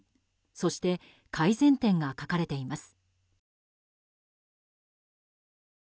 そして改善点が書かれています。